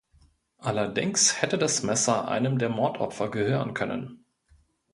Allerdings hätte das Messer einem der Mordopfer gehören können.